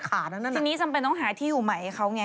ทีนี้จำเป็นต้องหาที่อยู่ใหม่ให้เขาไง